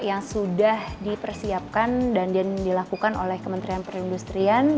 yang sudah dipersiapkan dan dilakukan oleh kementerian perindustrian